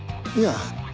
いや。